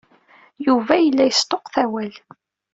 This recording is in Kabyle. Yuba yella yesṭuqqut awal.